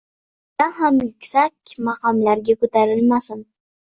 ulardan ham yuksak maqomlarga ko'tarmasin?!